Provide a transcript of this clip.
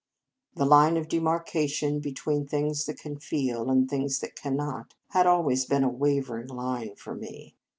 The line of demarcation between things that can feel and things that cannot had always been a wavering line for me.